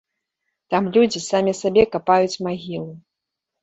Там людзі самі сабе капаюць магілу.